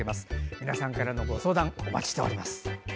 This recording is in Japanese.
皆さんからのご相談お待ちしております。